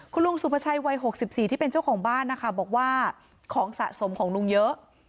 คุณลุงสุภาชัยวัย๖๔ที่เป็นเจ้าของบ้านนะคะบอกว่าของสะสมของลุงเยอะ